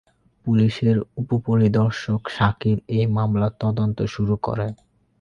পুলিশের উপ-পরিদর্শক শাকিল এই মামলার তদন্ত শুরু করেন।